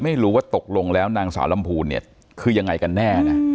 ไม่รู้ว่าตกลงแล้วนางสาวลำพูนเนี่ยคือยังไงกันแน่นะ